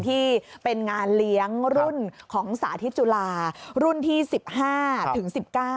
ที่เป็นงานเลี้ยงรุ่นของสาธิตจุฬารุ่นที่๑๕ถึง๑๙